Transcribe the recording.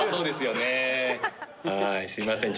すいません。